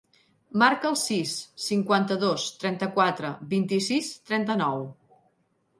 Marca el sis, cinquanta-dos, trenta-quatre, vint-i-sis, trenta-nou.